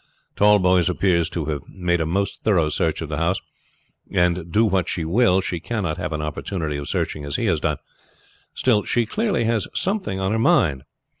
Tallboys appears to have made a most thorough search of the house, and do what she will she cannot have any opportunity of searching as he has done. Still she clearly has something on her mind.